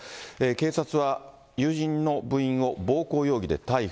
警察は友人の部員を暴行容疑で逮捕。